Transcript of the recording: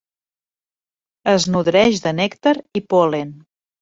Es nodreix de nèctar i pol·len.